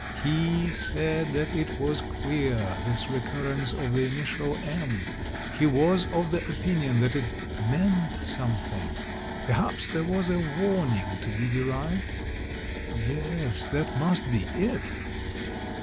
He said that it was queer, this recurrence of the initial M — he was of the opinion that it "meant some thing." Perhaps there was a warning to be de rived? Yes, that must be it!